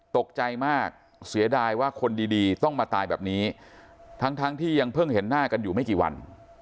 ตกใจมากเสียดายว่าคนดีต้องมาตายแบบนี้ทั้งที่ยังเพิ่งเห็นหน้ากันอยู่ไม่กี่วัน